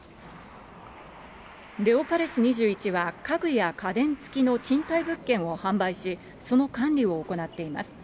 レオパレス２１は家具や家電付きの賃貸物件を販売し、その管理を行っています。